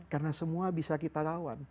karena semua bisa kita lawan